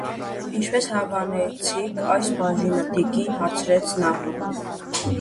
- Ի՞նչպես հավանեցիք այս բաժինը, տիկին,- հարցրեց նա: